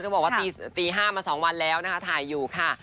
บอกว่าตี๕มา๒วันแล้วนะคะถ่ายอยู่ค่ะ